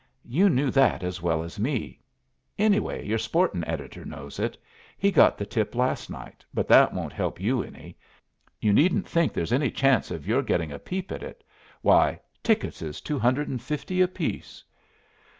You knew that as well as me; anyway your sportin' editor knows it. He got the tip last night, but that won't help you any. You needn't think there's any chance of your getting a peep at it. Why, tickets is two hundred and fifty apiece!"